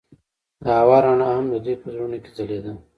د هوا رڼا هم د دوی په زړونو کې ځلېده.